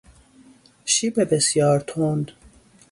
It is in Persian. شیب بسیار تند